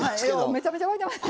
めちゃめちゃ沸いてます。